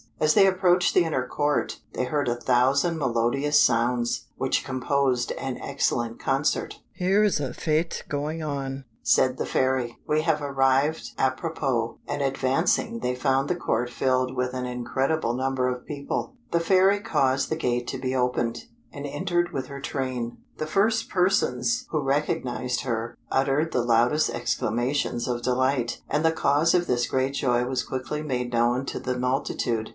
As they approached the inner court, they heard a thousand melodious sounds, which composed an excellent concert. "Here is a fête going on," said the Fairy; "we have arrived à propos;" and advancing, they found the court filled with an incredible number of people. The Fairy caused the gate to be opened, and entered with her train. The first persons who recognised her, uttered the loudest exclamations of delight, and the cause of this great joy was quickly made known to the multitude.